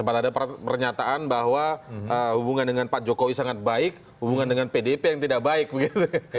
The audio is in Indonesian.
sempat ada pernyataan bahwa hubungan dengan pak jokowi sangat baik hubungan dengan pdip yang tidak baik begitu